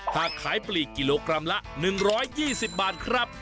หากขายปลีกกิโลกรัมละ๑๒๐บาทครับ